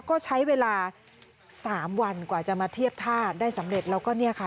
ก็ใช้เวลา๓วันกว่าจะมาเทียบท่าได้สำเร็จแล้วก็เนี่ยค่ะ